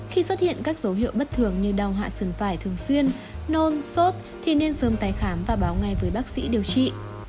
khi xuất hiện các dấu hiệu bất thường như đau hạ sừng vải thường xuyên nôn sốt thì nên sớm tái khám và báo ngay với bác sĩ điều trị